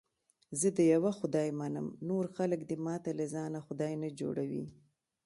زه د یوه خدای منم، نور خلک دې ماته له ځانه خدای نه جوړي.